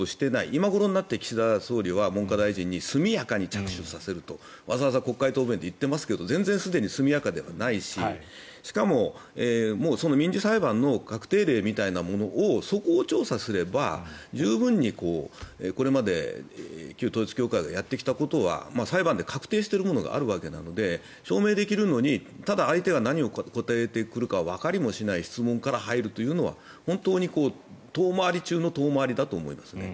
今頃になって岸田総理は文科大臣に速やかに着手させるとわざわざ国会答弁で言っていますが全然すでに速やかではないししかも民事裁判の確定例みたいなものをそこを調査すれば十分にこれまで旧統一教会がやってきたことは裁判で確定しているものがあるわけなので証明できるのに相手が何を答えてくるかわかりもしない質問から入るというのは遠回り中の遠回りだと思います。